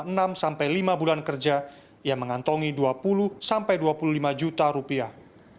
enam sampai lima bulan kerja yang mengantongi dua puluh sampai dua puluh lima juta rupiah